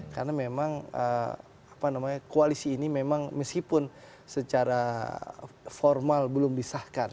karena memang koalisi ini memang meskipun secara formal belum disahkan